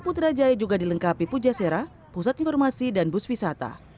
putrajaya juga dilengkapi pujasera pusat informasi dan bus wisata